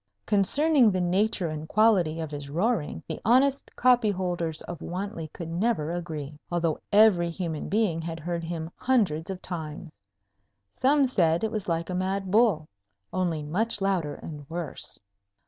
Concerning the nature and quality of his roaring, the honest copyholders of Wantley could never agree, although every human being had heard him hundreds of times. Some said it was like a mad bull, only much louder and worse.